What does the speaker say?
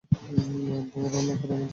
Bob রান্না করবে আমাদের জন্য।